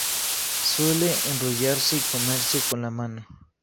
Suele enrollarse y comerse con la mano.